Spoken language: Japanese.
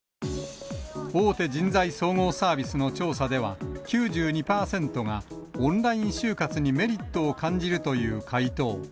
大手人材総合サービスの調査では、９２％がオンライン就活にメリットを感じるという回答。